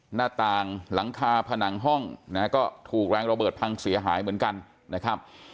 หน้าต่างหลังคาผนังห้องนะฮะก็ถูกแรงระเบิดพังเสียหายเหมือนกันนะครับ